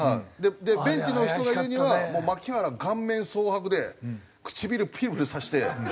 でベンチの人が言うにはもう牧原顔面蒼白で唇プルプルさせて。